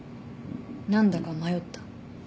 何だか迷った？